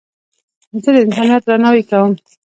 زه د انسانیت درناوی کوم.